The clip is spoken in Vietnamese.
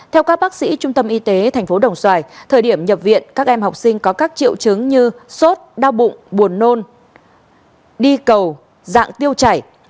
theo các bác sĩ trung tâm y tế tp đồng xoài thời điểm nhập viện các em học sinh có các triệu chứng như sốt đau bụng buồn nôn đi cầu dạng tiêu chảy